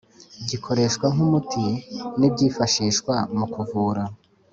Gikoreshwa nk’umuti n’ibyifashishwa mu kuvura